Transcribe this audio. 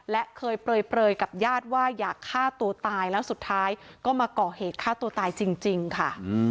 และเคยเปลยกับญาติว่าอยากฆ่าตัวตายแล้วสุดท้ายก็มาก่อเหตุฆ่าตัวตายจริงค่ะ